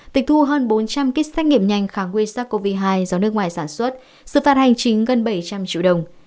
tịch thu hơn bốn trăm linh kit xét nghiệm nhanh kháng nguyên sars cov hai do nước ngoài sản xuất sự phạt hành chính gần bảy trăm linh triệu đồng